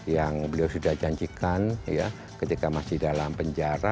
yang beliau sudah janjikan ketika masih dalam penjara